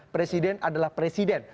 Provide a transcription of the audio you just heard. presiden adalah presiden